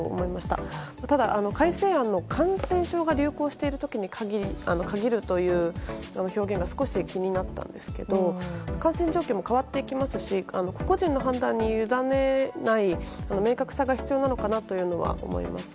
ただ、改正案の感染症が流行している時に限るという表現が少し気になったんですけど感染状況も変わっていきますし個人の判断に委ねない明確さが必要なのかなと思います。